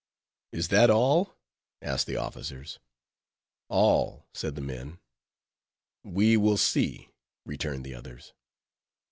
"Is that all?" asked the officers. "All," said the men. "We will see," returned the others.